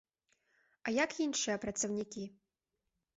А як іншыя працаўнікі?